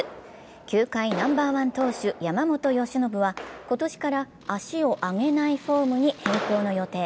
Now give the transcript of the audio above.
球界ナンバーワン投手・山本由伸は今年から足を上げないフォームに変更の予定。